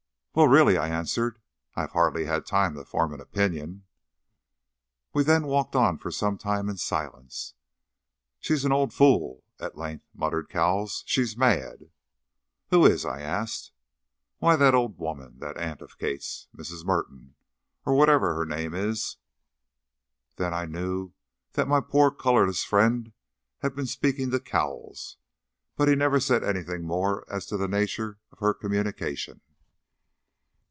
"Well, really," I answered, "I have hardly had time to form an opinion." We then walked on for some time in silence. "She is an old fool," at length muttered Cowles. "She is mad." "Who is?" I asked. "Why, that old woman that aunt of Kate's Mrs. Merton, or whatever her name is." Then I knew that my poor colourless friend had been speaking to Cowles, but he never said anything more as to the nature of her communication.